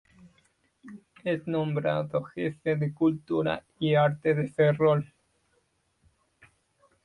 Es nombrado jefe de cultura y arte de Ferrol.